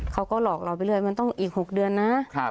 เขาก็หลอกเราไปเรื่อยมันต้องอีก๖เดือนนะ